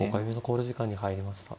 考慮時間に入りました。